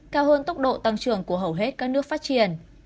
cao hơn tốc độ tăng trưởng của hầu hết các nước phát triển